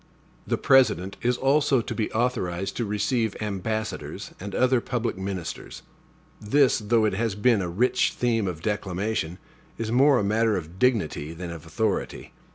The President is also to be authorized to receive ambassadors and other public ministers. This, though it has been a rich theme of declamation, is more a matter of dignity than of authority.